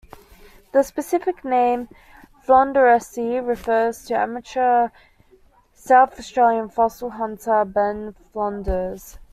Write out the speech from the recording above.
The specific name "floundersi" refers to amateur South Australian fossil hunter Ben Flounders.